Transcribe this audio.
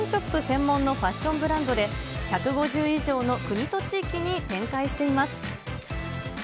専門のファッションブランドで、１５０以上の国と地域に展開しています。